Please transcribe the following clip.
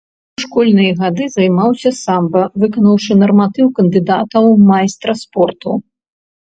У школьныя гады займаўся самба, выканаўшы нарматыў кандыдата ў майстра спорту.